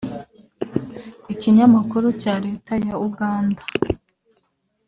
Ikinyamakuru cya Leta ya Uganda